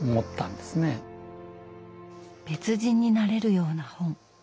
別人になれるような本。